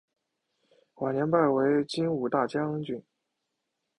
晚年拜为金吾大将军。